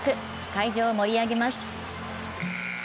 会場を盛り上げます。